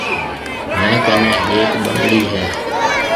ميه ڪنَي هيَڪ ٻنگڙِي هيَ۔